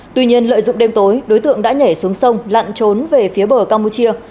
tuy nhiên lợi dụng đêm tối đối tượng đã nhảy xuống sông lặn trốn về phía bờ campuchia